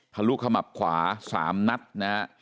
ลุขมับขวา๓นัดนะฮะ